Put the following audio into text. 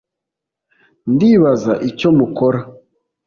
ndibaza icyo mukora